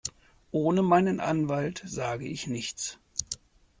Ohne meinen Anwalt sage ich nichts.